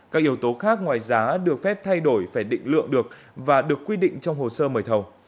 các yếu tố khác ngoài giá được phép thay đổi phải định lượng được và được quy định trong hồ sơ mời thầu